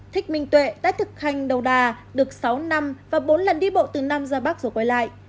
thích minh tuệ đã thực hành đầu đà được sáu năm và bốn lần đi bộ từ nam ra bắc rồi quay lại